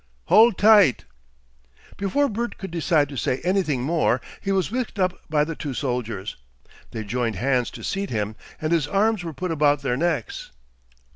"Hold tight!" Before Bert could decide to say anything more he was whisked up by the two soldiers. They joined hands to seat him, and his arms were put about their necks.